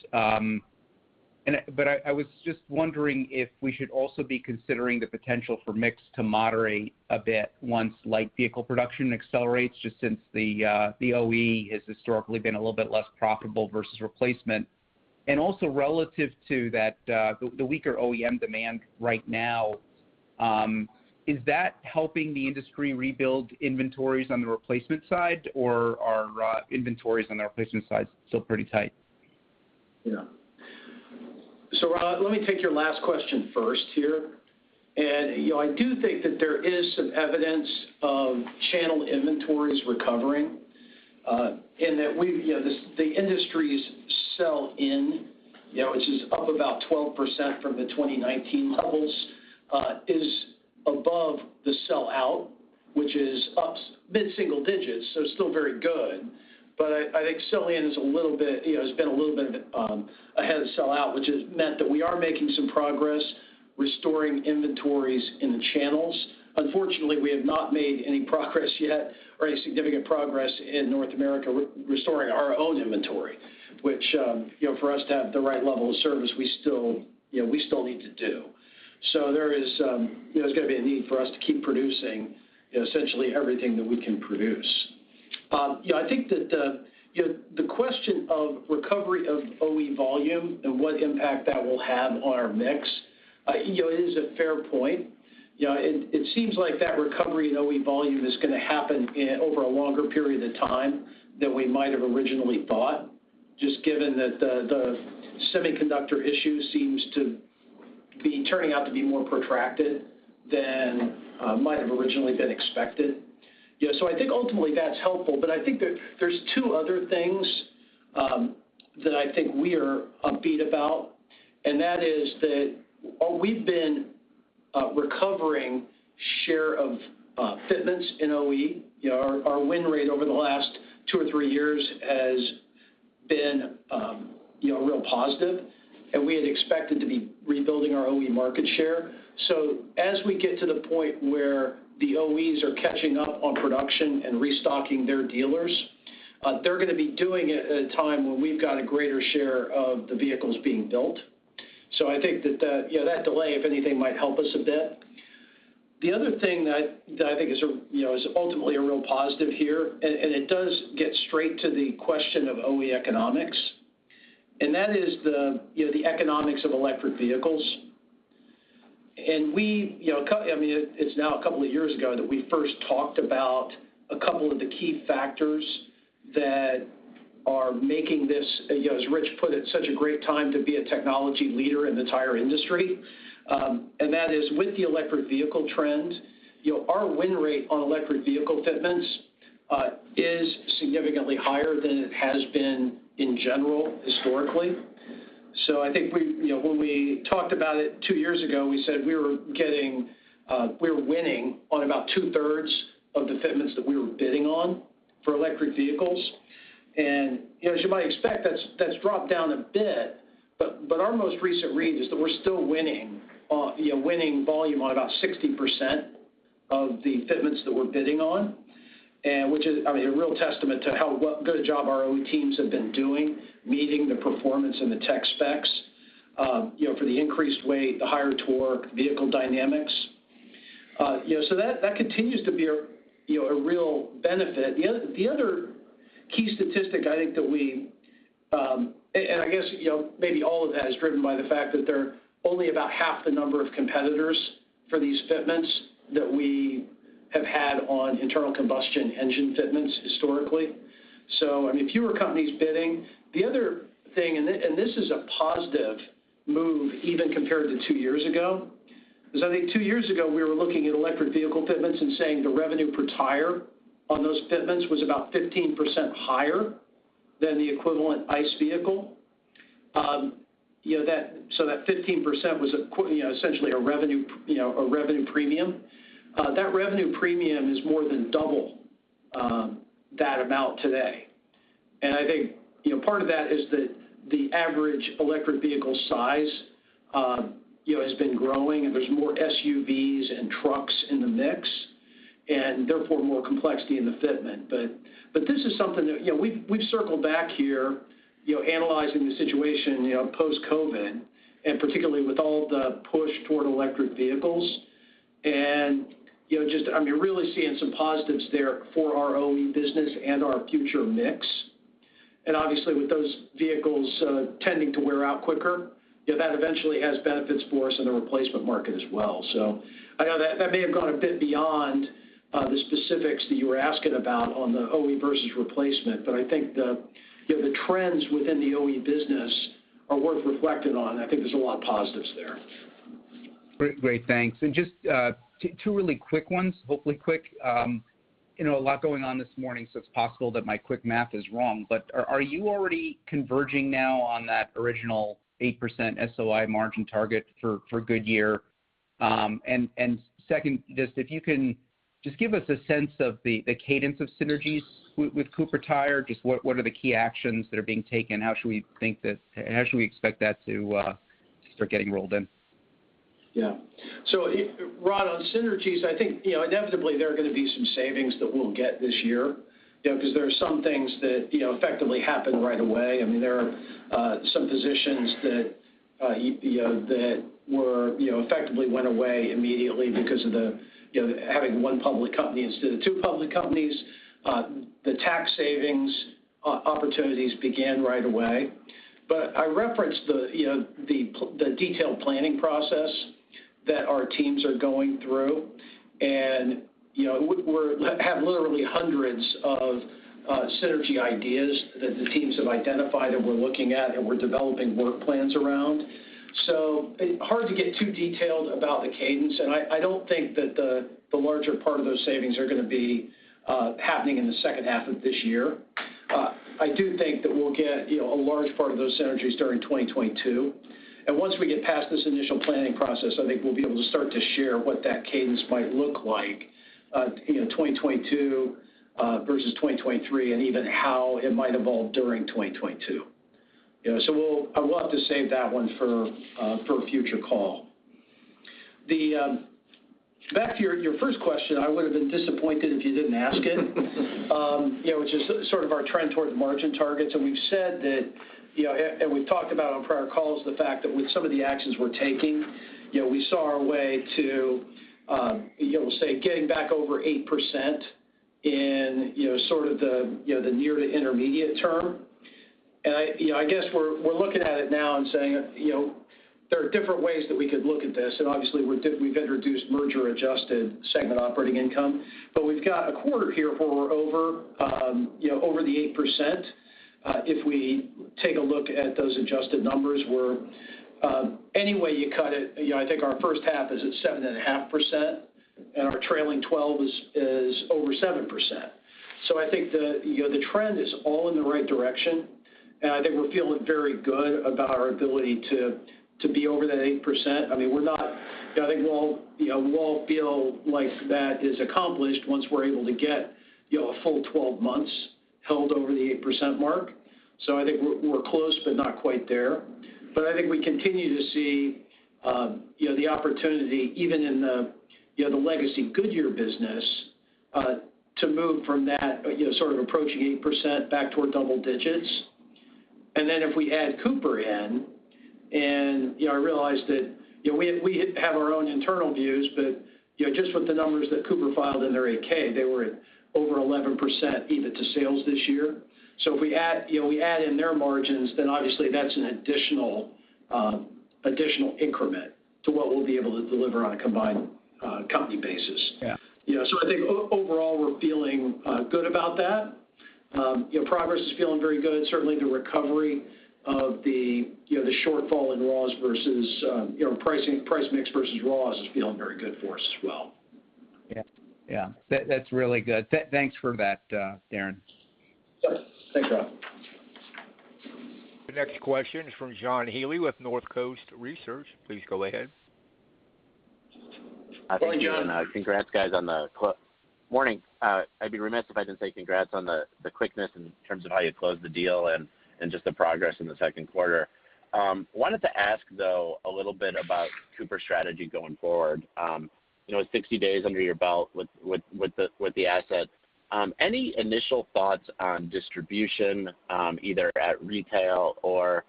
Speaker 6: I was just wondering if we should also be considering the potential for mix to moderate a bit once light vehicle production accelerates, just since the OE has historically been a little bit less profitable versus replacement. Also relative to the weaker OEM demand right now, is that helping the industry rebuild inventories on the replacement side, or are inventories on the replacement side still pretty tight?
Speaker 4: Rod, let me take your last question first here. I do think that there is some evidence of channel inventories recovering, in that the industry's sell in, which is up about 12% from the 2019 levels is above the sell out, which is up mid-single digits, still very good. I think sell in has been a little bit ahead of sell out, which has meant that we are making some progress restoring inventories in the channels. Unfortunately, we have not made any progress yet or any significant progress in North America restoring our own inventory, which for us to have the right level of service, we still need to do. There's going to be a need for us to keep producing essentially everything that we can produce. I think that the question of recovery of OE volume and what impact that will have on our mix is a fair point. It seems like that recovery in OE volume is going to happen over a longer period of time than we might have originally thought, just given that the semiconductor issue seems to be turning out to be more protracted than might have originally been expected. I think ultimately that's helpful. I think there's two other things that I think we are upbeat about, and that is that we've been recovering share of fitments in OE. Our win rate over the last two or three years has been real positive, and we had expected to be rebuilding our OE market share. As we get to the point where the OEs are catching up on production and restocking their dealers, they're going to be doing it at a time when we've got a greater share of the vehicles being built. I think that delay, if anything, might help us a bit. The other thing that I think is ultimately a real positive here, and it does get straight to the question of OE economics, and that is the economics of electric vehicles. It's now a couple of years ago that we first talked about a couple of the key factors that are making this, as Rich put it, such a great time to be a technology leader in the tire industry. That is with the electric vehicle trend, our win rate on electric vehicle fitments is significantly higher than it has been in general historically. I think when we talked about it two years ago, we said we were winning on about two-thirds of the fitments that we were bidding on for electric vehicles. As you might expect, that's dropped down a bit. Our most recent read is that we're still winning volume on about 60% of the fitments that we're bidding on, which is a real testament to how good a job our OE teams have been doing, meeting the performance and the tech specs for the increased weight, the higher torque, vehicle dynamics. That continues to be a real benefit. The other key statistic I think that, and I guess maybe all of that is driven by the fact that there are only about half the number of competitors for these fitments that we have had on internal combustion engine fitments historically. Fewer companies bidding. The other thing, this is a positive move even compared to two years ago, is I think two years ago, we were looking at electric vehicle fitments and saying the revenue per tire on those fitments was about 15% higher than the equivalent ICE vehicle. That 15% was essentially a revenue premium. That revenue premium is more than double that amount today. I think part of that is that the average electric vehicle size has been growing, and there's more SUVs and trucks in the mix, and therefore more complexity in the fitment. This is something that we've circled back here, analyzing the situation post-COVID, and particularly with all the push toward electric vehicles. Just, you're really seeing some positives there for our OE business and our future mix. Obviously with those vehicles tending to wear out quicker, that eventually has benefits for us in the replacement market as well. I know that may have gone a bit beyond the specifics that you were asking about on the OE versus replacement, but I think the trends within the OE business are worth reflecting on, and I think there's a lot of positives there.
Speaker 6: Great. Thanks. Just two really quick ones, hopefully quick. A lot going on this morning, so it's possible that my quick math is wrong, but are you already converging now on that original 8% SOI margin target for Goodyear? Second, just if you can just give us a sense of the cadence of synergies with Cooper Tire, just what are the key actions that are being taken? How should we expect that to start getting rolled in?
Speaker 4: Yeah. Rod, on synergies, I think inevitably there are going to be some savings that we'll get this year. Because there are some things that effectively happen right away. There are some positions that effectively went away immediately because of having one public company instead of two public companies. The tax savings opportunities began right away. I referenced the detailed planning process that our teams are going through, and we have literally 100s of synergy ideas that the teams have identified that we're looking at and we're developing work plans around. Hard to get too detailed about the cadence, and I don't think that the larger part of those savings are going to be happening in the second half of this year. I do think that we'll get a large part of those synergies during 2022. Once we get past this initial planning process, I think we'll be able to start to share what that cadence might look like in 2022 versus 2023, and even how it might evolve during 2022. I will have to save that one for a future call. Back to your first question, I would have been disappointed if you didn't ask it, which is sort of our trend toward margin targets, and we've said that, and we've talked about on prior calls the fact that with some of the actions we're taking, we saw our way to we'll say getting back over 8% in sort of the near to intermediate term. I guess we're looking at it now and saying there are different ways that we could look at this, and obviously we've introduced merger-adjusted segment operating income. We've got a quarter here where we're over the 8%. If we take a look at those adjusted numbers, any way you cut it, I think our first half is at 7.5%, and our trailing 12 months is over 7%. I think the trend is all in the right direction, and I think we're feeling very good about our ability to be over that 8%. I think we won't feel like that is accomplished once we're able to get a full 12 months held over the 8% mark. I think we're close, but not quite there. I think we continue to see the opportunity, even in the legacy Goodyear business, to move from that sort of approaching 8% back toward double digits. If we add Cooper in, and I realize that we have our own internal views, but just with the numbers that Cooper filed in their 8-K, they were at over 11% EBIT to sales this year. If we add in their margins, obviously that's an additional increment to what we'll be able to deliver on a combined company basis.
Speaker 6: Yeah.
Speaker 4: I think overall, we're feeling good about that. Progress is feeling very good. Certainly, the recovery of the shortfall in raw versus price mix versus raw is feeling very good for us as well.
Speaker 6: Yeah. That's really good. Thanks for that, Darren.
Speaker 4: Sure. Thanks, Rod.
Speaker 1: The next question is from John Healy with Northcoast Research. Please go ahead.
Speaker 4: Hello, John.
Speaker 7: Morning. I'd be remiss if I didn't say congrats on the quickness in terms of how you closed the deal and just the progress in the second quarter. Wanted to ask, though, a little bit about Cooper strategy going forward. With 60 days under your belt with the asset, any initial thoughts on distribution, either at retail or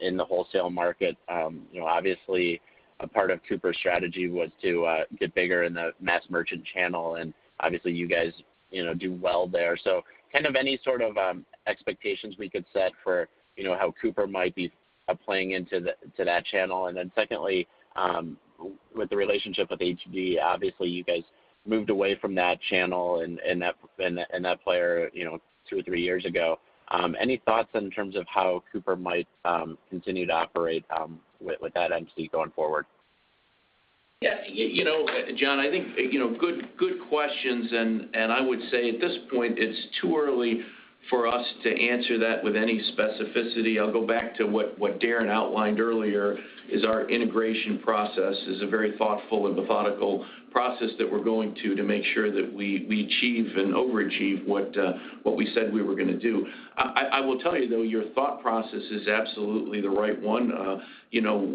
Speaker 7: in the wholesale market? Kind of any sort of expectations we could set for how Cooper might be playing into that channel? Secondly, with the relationship with ATD, obviously you guys moved away from that channel and that player two or three years ago. Any thoughts in terms of how Cooper might continue to operate with that entity going forward?
Speaker 3: Yeah. John, I think good questions. I would say at this point, it's too early for us to answer that with any specificity. I'll go back to what Darren outlined earlier is our integration process is a very thoughtful and methodical process that we're going to make sure that we achieve and overachieve what we said we were going to do. I will tell you, though, your thought process is absolutely the right one.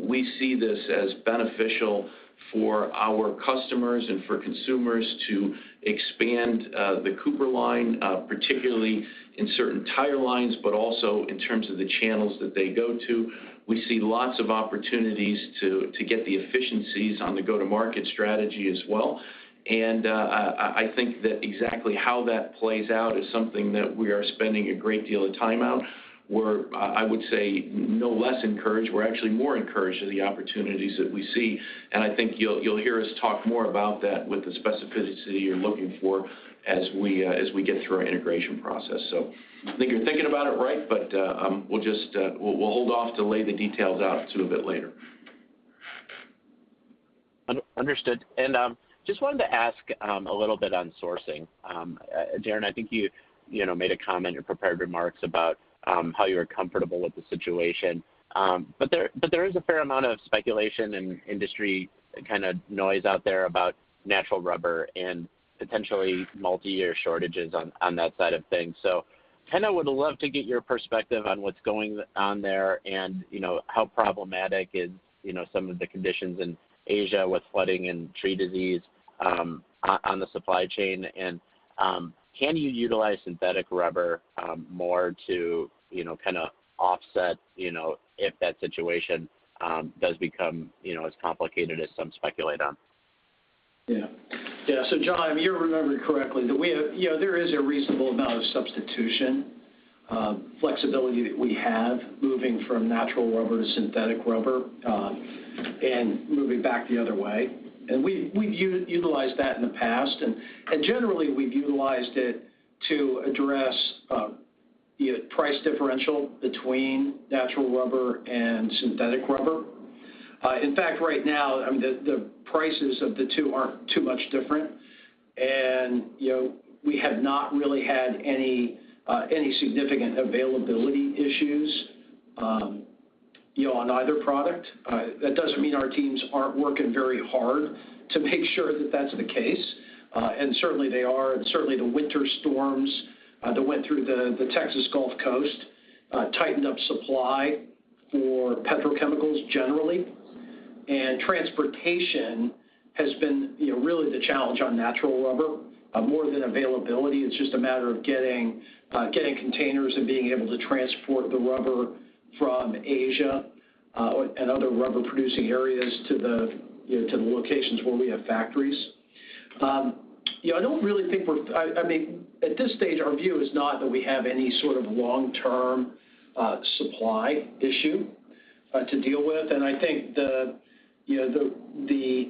Speaker 3: We see this as beneficial for our customers and for consumers to expand the Cooper line, particularly in certain tire lines, but also in terms of the channels that they go to. We see lots of opportunities to get the efficiencies on the go-to-market strategy as well. I think that exactly how that plays out is something that we are spending a great deal of time on. We're, I would say, no less encouraged. We're actually more encouraged of the opportunities that we see, and I think you'll hear us talk more about that with the specificity you're looking for as we get through our integration process. I think you're thinking about it right, but we'll hold off to lay the details out to a bit later.
Speaker 7: Understood. Just wanted to ask a little bit on sourcing. Darren, I think you made a comment in your prepared remarks about how you were comfortable with the situation. There is a fair amount of speculation and industry kind of noise out there about natural rubber and potentially multi-year shortages on that side of things. Kind of would love to get your perspective on what's going on there and how problematic is some of the conditions in Asia with flooding and tree disease on the supply chain. Can you utilize synthetic rubber more to kind of offset if that situation does become as complicated as some speculate on?
Speaker 4: Yeah. John, you're remembering correctly that there is a reasonable amount of substitution flexibility that we have, moving from natural rubber to synthetic rubber and moving back the other way. We've utilized that in the past, and generally, we've utilized it to address the price differential between natural rubber and synthetic rubber. In fact, right now, the prices of the two aren't too much different. We have not really had any significant availability issues on either product. That doesn't mean our teams aren't working very hard to make sure that that's the case. Certainly they are. Certainly, the winter storms that went through the Texas Gulf Coast tightened up supply for petrochemicals generally. Transportation has been really the challenge on natural rubber more than availability. It's just a matter of getting containers and being able to transport the rubber from Asia and other rubber-producing areas to the locations where we have factories. I don't really think at this stage, our view is not that we have any sort of long-term supply issue to deal with, and I think the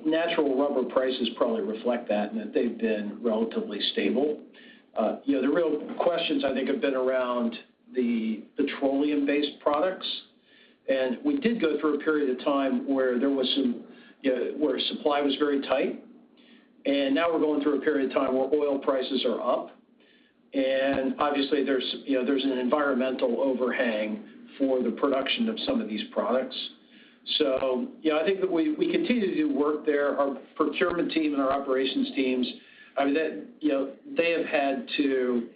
Speaker 4: natural rubber prices probably reflect that, in that they've been relatively stable. The real questions, I think, have been around the petroleum-based products. We did go through a period of time where supply was very tight, and now we're going through a period of time where oil prices are up. Obviously, there's an environmental overhang for the production of some of these products. I think that we continue to do work there. Our procurement team and our operations teams, they have had to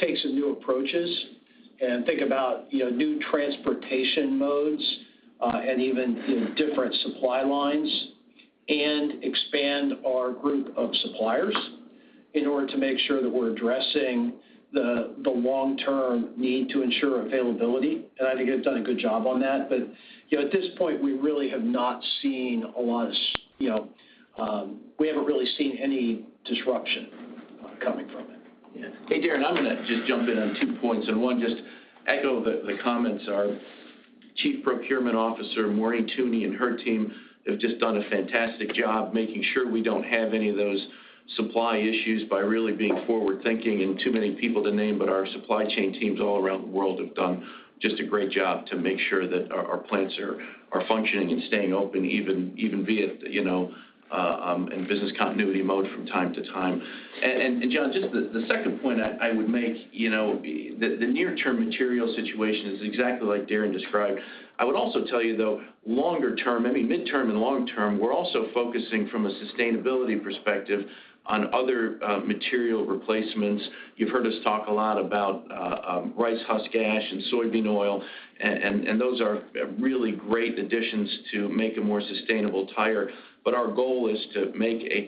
Speaker 4: take some new approaches and think about new transportation modes, and even different supply lines, and expand our group of suppliers in order to make sure that we're addressing the long-term need to ensure availability. I think they've done a good job on that. At this point, we haven't really seen any disruption coming from it.
Speaker 3: Yeah. Hey, Darren, I'm going to just jump in on two points, one, just echo the comments. Our Chief Procurement Officer, Maureen Thune, and her team have just done a fantastic job making sure we don't have any of those supply issues by really being forward-thinking. Too many people to name, but our supply chain teams all around the world have done just a great job to make sure that our plants are functioning and staying open, even be it in business continuity mode from time to time. John, just the second point I would make, the near-term material situation is exactly like Darren described. I would also tell you, though, longer term, I mean midterm and long term, we're also focusing from a sustainability perspective on other material replacements. You've heard us talk a lot about rice husk ash and soybean oil, and those are really great additions to make a more sustainable tire. Our goal is to make a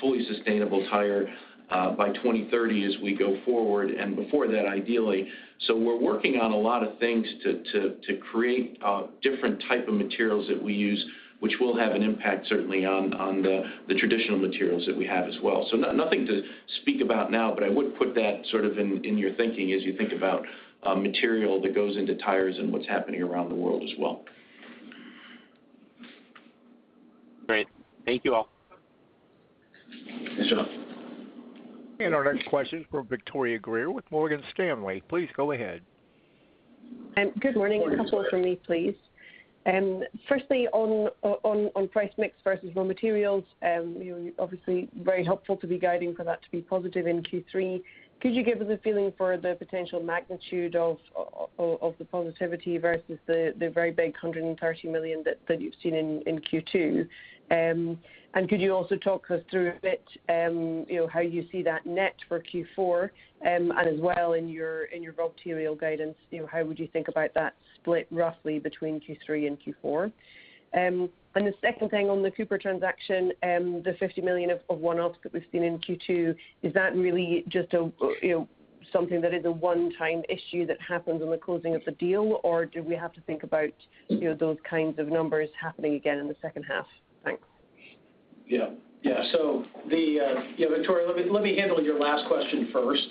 Speaker 3: fully sustainable tire by 2030 as we go forward, and before that, ideally. We're working on a lot of things to create different type of materials that we use, which will have an impact certainly on the traditional materials that we have as well. Nothing to speak about now, but I would put that sort of in your thinking as you think about material that goes into tires and what's happening around the world as well.
Speaker 7: Great. Thank you all.
Speaker 4: Sure.
Speaker 1: Our next question is for Victoria Greer with Morgan Stanley. Please go ahead.
Speaker 8: Good morning.
Speaker 4: Good morning.
Speaker 8: A couple from me, please. Firstly, on price mix versus raw materials, obviously very helpful to be guiding for that to be positive in Q3. Could you give us a feeling for the potential magnitude of the positivity versus the very big $130 million that you've seen in Q2? Could you also talk us through a bit how you see that net for Q4, and as well in your raw material guidance, how would you think about that split roughly between Q3 and Q4? The second thing on the Cooper transaction, the $50 million of one-offs that we've seen in Q2, is that really just something that is a one-time issue that happens on the closing of the deal, or do we have to think about those kinds of numbers happening again in the second half? Thanks.
Speaker 4: Yeah. Victoria, let me handle your last question first.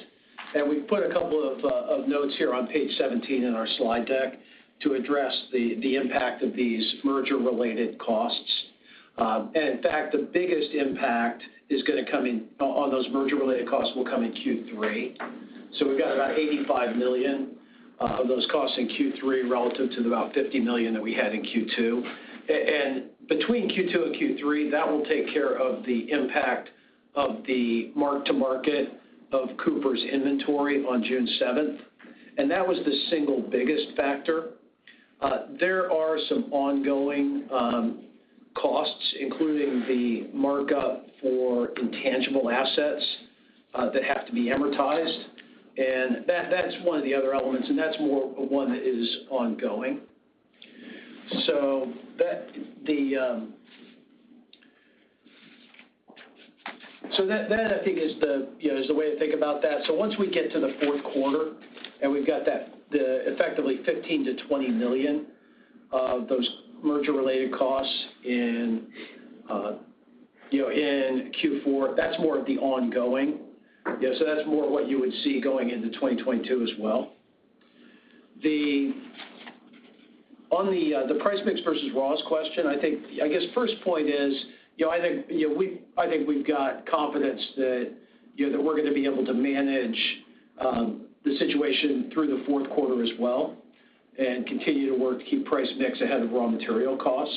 Speaker 4: We've put a couple of notes here on page 17 in our slide deck to address the impact of these merger-related costs. In fact, the biggest impact on those merger-related costs will come in Q3. We've got about $85 million of those costs in Q3 relative to the about $50 million that we had in Q2. Between Q2 and Q3, that will take care of the impact of the mark-to-market of Cooper's inventory on June 7th. That was the single biggest factor. There are some ongoing costs, including the markup for intangible assets that have to be amortized, and that's one of the other elements, and that's more one that is ongoing. That, I think, is the way to think about that. Once we get to the fourth quarter, and we've got the effectively $15 million-$20 million of those merger-related costs in Q4, that's more of the ongoing. That's more what you would see going into 2022 as well. On the price mix versus raws question, I guess first point is, I think we've got confidence that we're going to be able to manage the situation through the fourth quarter as well and continue to work to keep price mix ahead of raw material costs.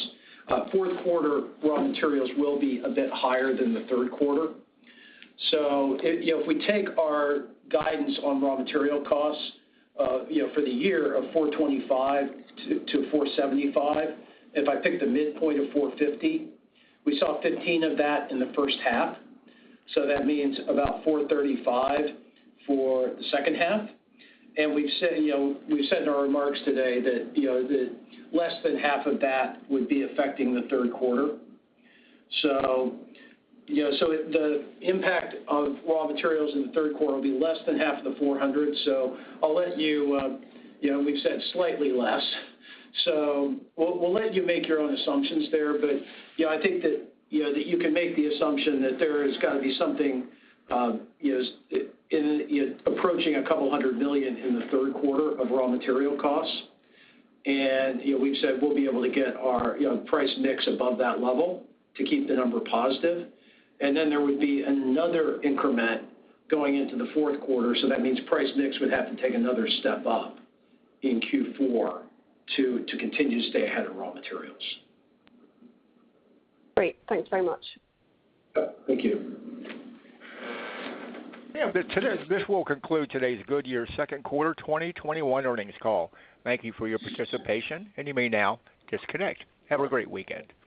Speaker 4: Fourth quarter raw materials will be a bit higher than the third quarter. If we take our guidance on raw material costs for the year of $425 million-$475 million, if I pick the midpoint of $450 million, we saw $15 million of that in the first half. That means about $435 million for the second half. We've said in our remarks today that less than half of that would be affecting the third quarter. The impact of raw materials in the third quarter will be less than half of the $400 million. We've said slightly less, we'll let you make your own assumptions there. I think that you can make the assumption that there has got to be something approaching a couple hundred million in the third quarter of raw material costs. We've said we'll be able to get our price mix above that level to keep the number positive. There would be another increment going into the fourth quarter, that means price mix would have to take another step up in Q4 to continue to stay ahead of raw materials.
Speaker 8: Great. Thanks very much.
Speaker 4: Yeah. Thank you.
Speaker 1: This will conclude today's Goodyear second quarter 2021 earnings call. Thank you for your participation, and you may now disconnect. Have a great weekend.